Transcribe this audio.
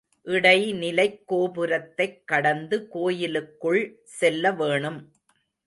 இடைநிலைக் கோபுரத்தைக் கடந்து கோயிலுக்குள் செல்ல வேணும்.